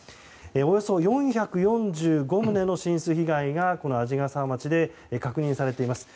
およそ４４５棟の浸水被害が鰺ヶ沢町で確認されています。